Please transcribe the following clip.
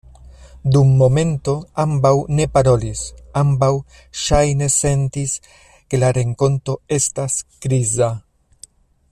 Dum momento ambaŭ ne parolis; ambaŭ ŝajne sentis, ke la renkonto estas kriza.